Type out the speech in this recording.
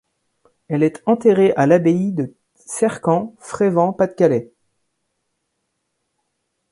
Elle est enterrée à l'abbaye de Cercamps, Frévent, Pas-de-Calais.